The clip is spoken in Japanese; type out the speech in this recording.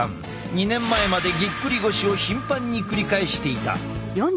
２年前までぎっくり腰を頻繁に繰り返していた。